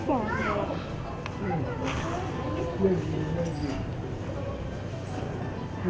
เพราะมันคือฝอมแล้ว